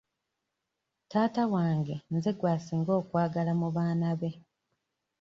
Taata wange nze gw'asinga okwagala mu baana be.